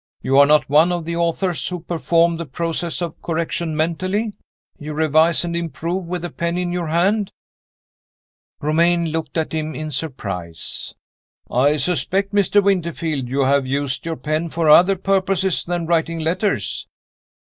"You are not one of the authors who perform the process of correction mentally you revise and improve with the pen in your hand." Romayne looked at him in surprise. "I suspect, Mr. Winterfield, you have used your pen for other purposes than writing letters."